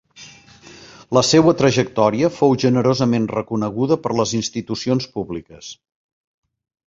La seua trajectòria fou generosament reconeguda per les institucions públiques.